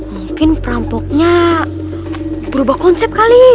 mungkin perampoknya berubah konsep kali